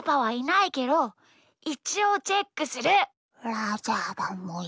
ラジャーだモヤ。